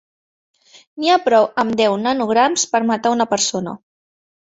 N'hi ha prou amb deu nanograms per matar una persona.